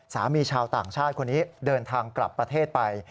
ชาวต่างชาติคนนี้เดินทางกลับประเทศไป